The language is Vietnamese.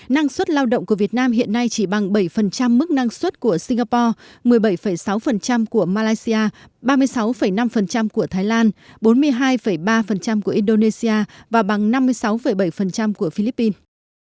năng suất lao động của việt nam hiện nay chỉ bằng bảy mức năng suất của singapore một mươi bảy sáu của malaysia ba mươi sáu năm của thái lan bốn mươi hai ba của indonesia và bằng năm mươi sáu bảy của philippines